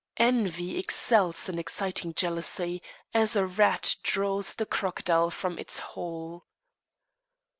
Envy excels in exciting jealousy, as a rat draws the crocodile from its hole.